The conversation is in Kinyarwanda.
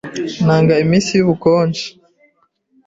Nanga iminsi yubukonje.